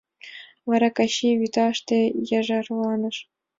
Вара Качий вӱташте яжарланыш...